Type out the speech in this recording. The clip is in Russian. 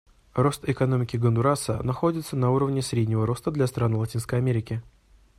Рост экономики Гондураса находится на уровне среднего роста для стран Латинской Америки.